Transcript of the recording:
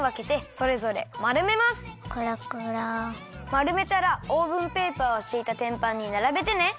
まるめたらオーブンペーパーをしいたてんぱんにならべてね。